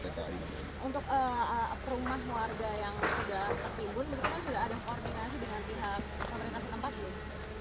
untuk perumahan keluarga yang sudah tertimbun menurutnya sudah ada koordinasi dengan pihak pemerintah tempat ini